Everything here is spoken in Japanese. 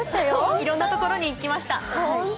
いろんなところに行きました。